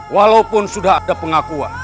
walaupun sudah ada pengakuan